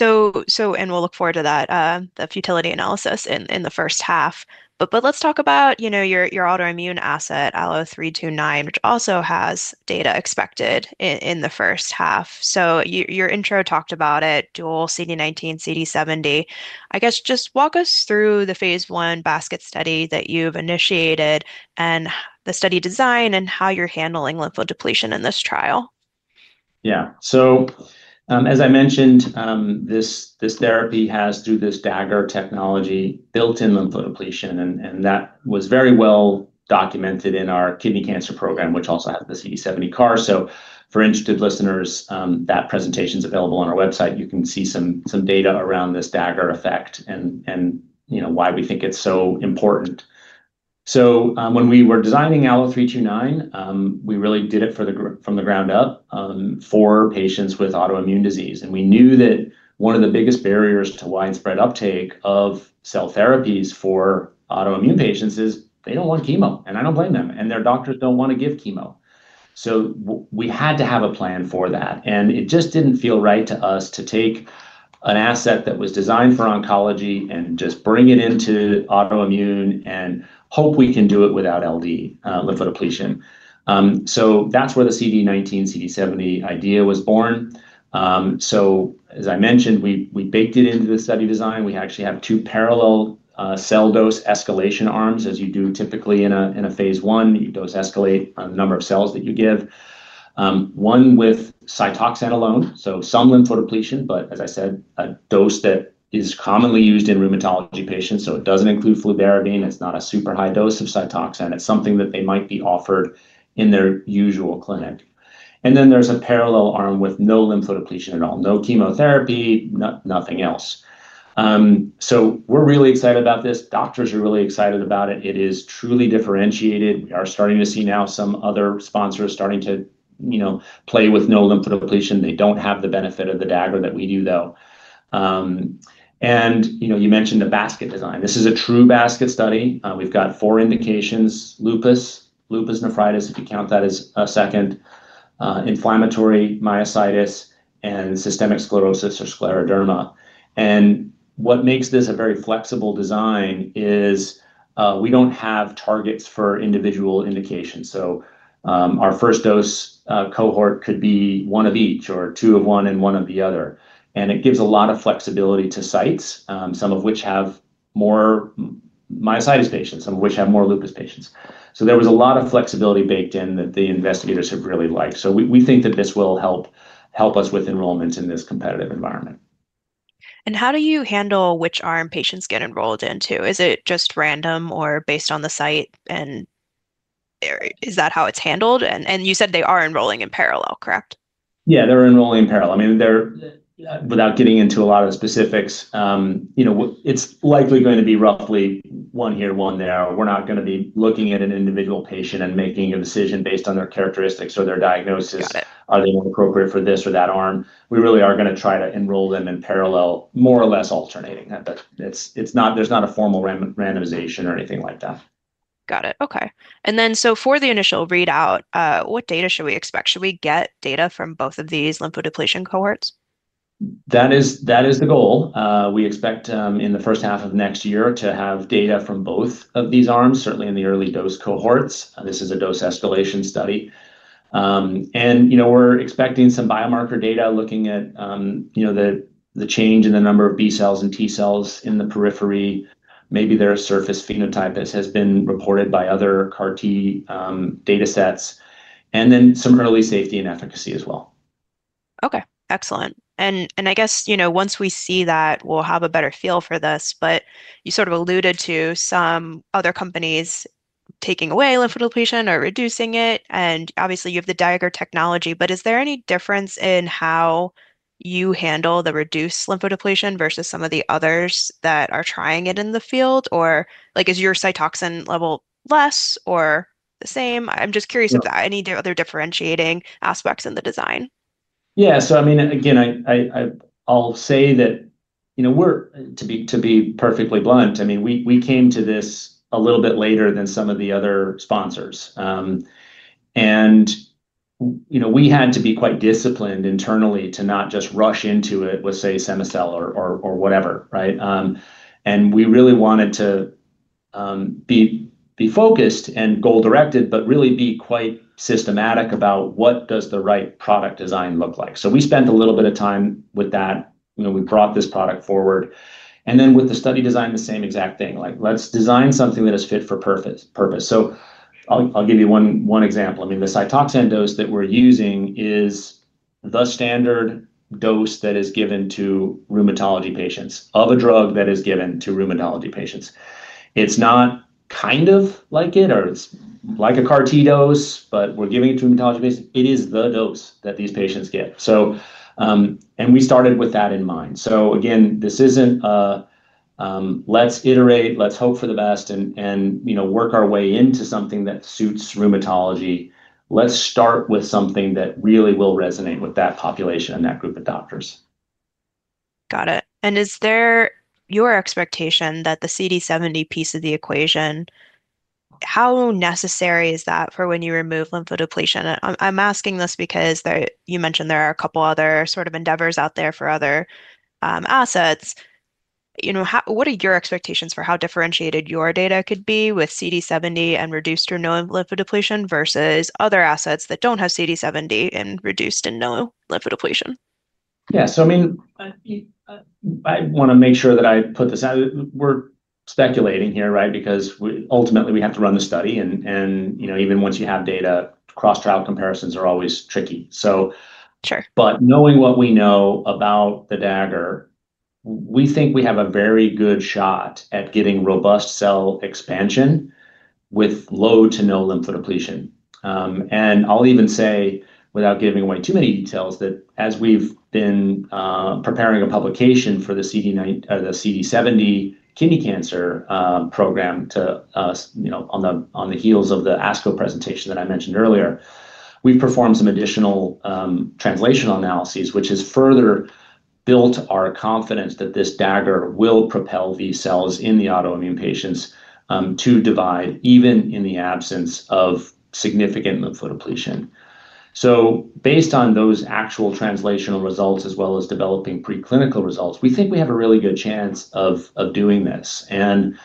And we'll look forward to that, the futility analysis in the first half. But let's talk about your autoimmune asset, ALLO-329, which also has data expected in the first half. So your intro talked about it, dual CD19, CD70. I guess just walk us through the phase I basket study that you've initiated and the study design and how you're handling lymphodepletion in this trial. Yeah. So as I mentioned, this therapy has, through this Dagger technology, built-in lymphodepletion, and that was very well documented in our Kidney Cancer Program, which also has the CD70 CAR. So for interested listeners, that presentation is available on our website. You can see some data around this Dagger effect and why we think it's so important. So when we were designing ALLO-329, we really did it from the ground up for patients with autoimmune disease. And we knew that one of the biggest barriers to widespread uptake of cell therapies for autoimmune patients is they don't want chemo, and I don't blame them, and their doctors don't want to give chemo. So we had to have a plan for that. And it just didn't feel right to us to take an asset that was designed for oncology and just bring it into autoimmune and hope we can do it without LD, lymphodepletion. So that's where the CD19, CD70 idea was born. So as I mentioned, we baked it into the study design. We actually have two parallel cell dose escalation arms, as you do typically in a phase I. You dose escalate on the number of cells that you give, one with Cytoxan alone, so some lymphodepletion, but as I said, a dose that is commonly used in rheumatology patients. So it doesn't include fludarabine. It's not a super high dose of Cytoxan. It's something that they might be offered in their usual clinic. And then there's a parallel arm with no lymphodepletion at all, no chemotherapy, nothing else. So we're really excited about this. Doctors are really excited about it. It is truly differentiated. We are starting to see now some other sponsors starting to play with no lymphodepletion. They don't have the benefit of the Dagger that we do, though. And you mentioned the basket design. This is a true basket study. We've got four indications: lupus, lupus nephritis, if you count that as a second, inflammatory myositis, and systemic sclerosis or scleroderma. And what makes this a very flexible design is we don't have targets for individual indications. So our first dose cohort could be one of each or two of one and one of the other. And it gives a lot of flexibility to sites, some of which have more myositis patients, some of which have more lupus patients. So there was a lot of flexibility baked in that the investigators have really liked. We think that this will help us with enrollments in this competitive environment. How do you handle which arm patients get enrolled into? Is it just random or based on the site, and is that how it's handled? You said they are enrolling in parallel, correct? Yeah, they're enrolling in parallel. I mean, without getting into a lot of specifics, it's likely going to be roughly one here, one there. We're not going to be looking at an individual patient and making a decision based on their characteristics or their diagnosis. Are they more appropriate for this or that arm? We really are going to try to enroll them in parallel, more or less alternating. There's not a formal randomization or anything like that. Got it. Okay. And then so for the initial readout, what data should we expect? Should we get data from both of these lymphodepletion cohorts? That is the goal. We expect in the first half of next year to have data from both of these arms, certainly in the early dose cohorts. This is a dose escalation study, and we're expecting some biomarker data looking at the change in the number of B cells and T cells in the periphery. Maybe there are surface phenotypes that have been reported by other CAR T data sets, and then some early safety and efficacy as well. Okay. Excellent. And I guess once we see that, we'll have a better feel for this. But you sort of alluded to some other companies taking away lymphodepletion or reducing it. And obviously, you have the Dagger technology, but is there any difference in how you handle the reduced lymphodepletion versus some of the others that are trying it in the field? Or is your Cytoxan level less or the same? I'm just curious if there are any other differentiating aspects in the design. Yeah, so I mean, again, I'll say that to be perfectly blunt, I mean, we came to this a little bit later than some of the other sponsors, and we had to be quite disciplined internally to not just rush into it with, say, cema-cel or whatever, right, and we really wanted to be focused and goal-directed, but really be quite systematic about what does the right product design look like, so we spent a little bit of time with that. We brought this product forward, and then with the study design, the same exact thing. Let's design something that is fit for purpose, so I'll give you one example. I mean, the Cytoxan dose that we're using is the standard dose that is given to rheumatology patients of a drug that is given to rheumatology patients. It's not kind of like it, or it's like a CAR T dose, but we're giving it to rheumatology patients. It is the dose that these patients get. And we started with that in mind. So again, this isn't a, "Let's iterate. Let's hope for the best and work our way into something that suits rheumatology." Let's start with something that really will resonate with that population and that group of doctors. Got it. And is there your expectation that the CD70 piece of the equation, how necessary is that for when you remove lymphodepletion? I'm asking this because you mentioned there are a couple of other sort of endeavors out there for other assets. What are your expectations for how differentiated your data could be with CD70 and reduced or no lymphodepletion versus other assets that don't have CD70 and reduced and no lymphodepletion? Yeah. So I mean, I want to make sure that I put this out. We're speculating here, right, because ultimately, we have to run the study. And even once you have data, cross-trial comparisons are always tricky. But knowing what we know about the Dagger, we think we have a very good shot at getting robust cell expansion with low to no lymphodepletion. And I'll even say, without giving away too many details, that as we've been preparing a publication for the CD70 Kidney Cancer Program on the heels of the ASCO presentation that I mentioned earlier, we've performed some additional translational analyses, which has further built our confidence that this Dagger will propel these cells in the autoimmune patients to divide even in the absence of significant lymphodepletion. So based on those actual translational results as well as developing preclinical results, we think we have a really good chance of doing this. And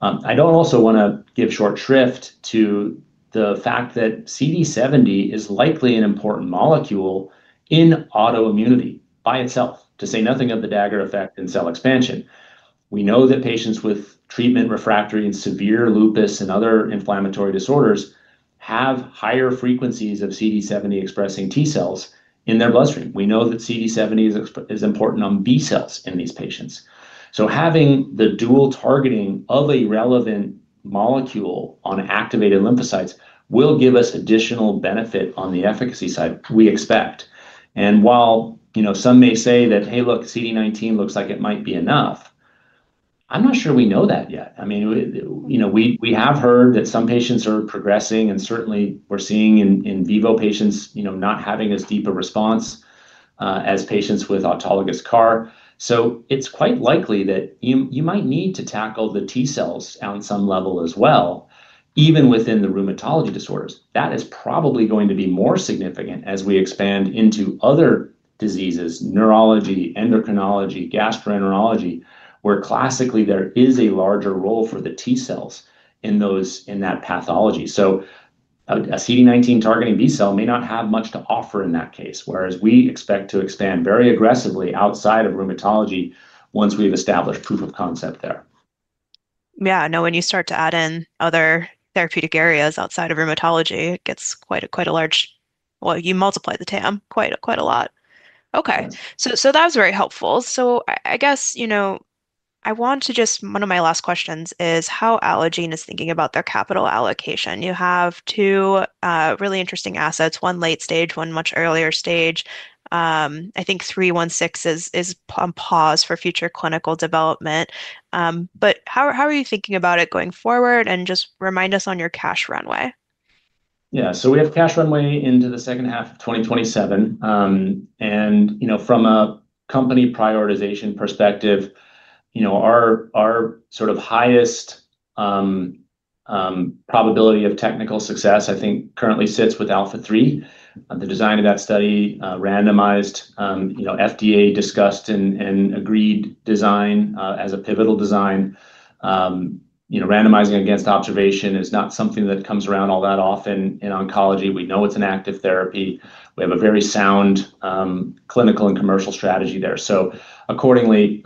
I don't also want to give short shrift to the fact that CD70 is likely an important molecule in autoimmunity by itself, to say nothing of the dagger effect in cell expansion. We know that patients with treatment refractory and severe lupus and other inflammatory disorders have higher frequencies of CD70 expressing T cells in their bloodstream. We know that CD70 is important on B cells in these patients. So having the dual targeting of a relevant molecule on activated lymphocytes will give us additional benefit on the efficacy side, we expect. And while some may say that, "Hey, look, CD19 looks like it might be enough," I'm not sure we know that yet. I mean, we have heard that some patients are progressing, and certainly, we're seeing in vivo patients not having as deep a response as patients with autologous CAR. So it's quite likely that you might need to tackle the T cells on some level as well, even within the rheumatology disorders. That is probably going to be more significant as we expand into other diseases, neurology, endocrinology, gastroenterology, where classically there is a larger role for the T cells in that pathology. So a CD19 targeting B cell may not have much to offer in that case, whereas we expect to expand very aggressively outside of rheumatology once we've established proof of concept there. Yeah. No, when you start to add in other therapeutic areas outside of rheumatology, it gets quite a large, well, you multiply the TAM quite a lot. Okay. So that was very helpful. So I guess I want to just, one of my last questions is how Allogene is thinking about their capital allocation. You have two really interesting assets, one late stage, one much earlier stage. I think 316 is on pause for future clinical development. But how are you thinking about it going forward? And just remind us on your cash runway. Yeah. So we have cash runway into the second half of 2027. And from a company prioritization perspective, our sort of highest probability of technical success, I think, currently sits with ALPHA3. The design of that study, randomized, FDA-discussed and agreed design as a pivotal design, randomizing against observation, is not something that comes around all that often in oncology. We know it's an active therapy. We have a very sound clinical and commercial strategy there. So accordingly,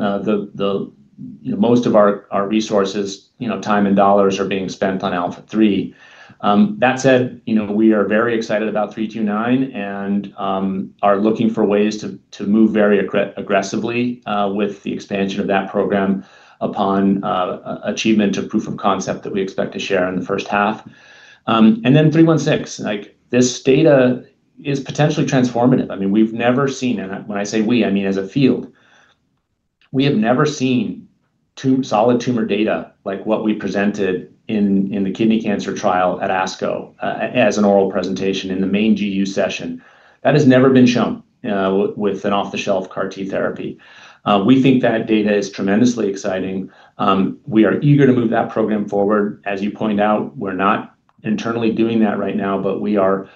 most of our resources, time and dollars, are being spent on ALPHA3. That said, we are very excited about 329 and are looking for ways to move very aggressively with the expansion of that program upon achievement of proof of concept that we expect to share in the first half. And then 316, this data is potentially transformative. I mean, we've never seen, and when I say we, I mean as a field, we have never seen solid tumor data like what we presented in the kidney cancer trial at ASCO as an oral presentation in the main GU session. That has never been shown with an off-the-shelf CAR T therapy. We think that data is tremendously exciting. We are eager to move that program forward. As you point out, we're not internally doing that right now, but we are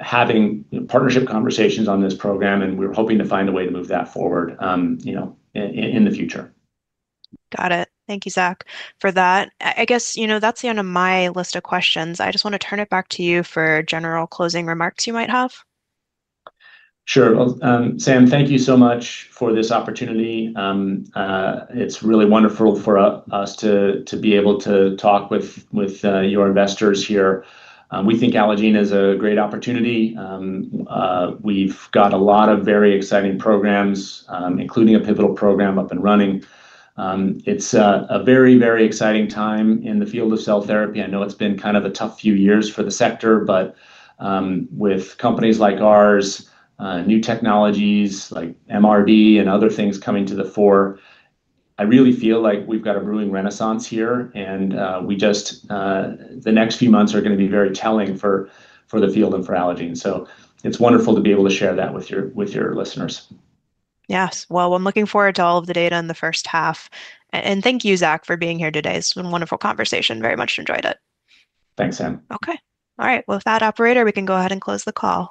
having partnership conversations on this program, and we're hoping to find a way to move that forward in the future. Got it. Thank you, Zach, for that. I guess that's the end of my list of questions. I just want to turn it back to you for general closing remarks you might have. Sure. Sam, thank you so much for this opportunity. It's really wonderful for us to be able to talk with your investors here. We think Allogene is a great opportunity. We've got a lot of very exciting programs, including a pivotal program up and running. It's a very, very exciting time in the field of cell therapy. I know it's been kind of a tough few years for the sector, but with companies like ours, new technologies like MRD and other things coming to the fore, I really feel like we've got a brewing renaissance here. And the next few months are going to be very telling for the field and for Allogene. So it's wonderful to be able to share that with your listeners. Yes. I'm looking forward to all of the data in the first half. Thank you, Zach, for being here today. It's been a wonderful conversation. Very much enjoyed it. Thanks, Sam. Okay. All right. Well, with that, Operator, we can go ahead and close the call.